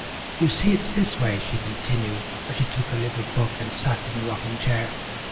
] "You see, it's this way," she continued as she took her little book and sat in the rocking chair.